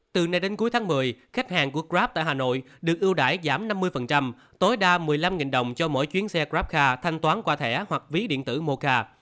từ nay đến cuối tháng một mươi khách hàng của grab tại hà nội được ưu đãi giảm năm mươi tối đa một mươi năm đồng cho mỗi chuyến xe grabca thanh toán qua thẻ hoặc ví điện tử moca